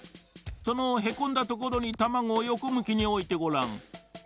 そのへこんだところにたまごをよこむきにおいてごらん。